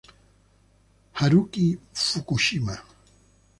Haruki Fukushima